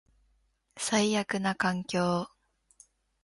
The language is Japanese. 最悪な環境